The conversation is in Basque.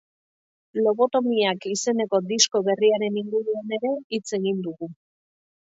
Lobotomiak izeneko disko berriaren inguruan ere hitz egin dugu.